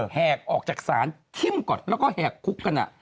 แหกออกจากศาลทิ่มก่อนแล้วก็แหกคุกกัน